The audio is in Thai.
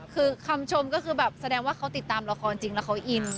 คือคำชมก็คือแบบแสดงว่าเขาติดตามละครจริงแล้วเขาอิน